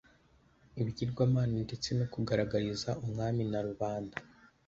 ibigirwamana ndetse no kugaragariza umwami na rubanda